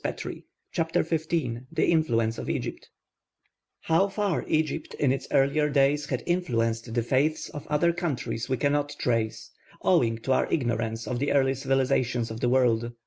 CHAPTER XV THE INFLUENCE OF EGYPT How far Egypt in its earlier days had influenced the faiths of other countries we cannot trace, owing to our ignorance of the early civilisations of the world.